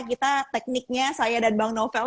kita tekniknya saya dan bang novel